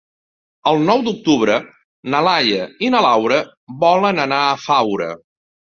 El nou d'octubre na Laia i na Laura volen anar a Faura.